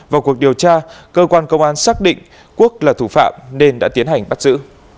vào cuộc điều tra cơ quan công an xác định quốc là thủ phạm nên đã tiến hành bắt giữ